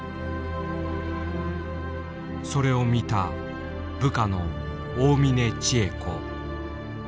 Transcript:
それを見た部下の大嶺千枝子。